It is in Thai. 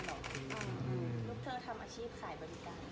นุ๊กเธอทำอาชีพขายบริการหรอ